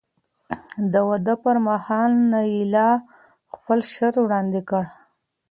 د واده پر مهال نایله خپل شرط وړاندې کړ.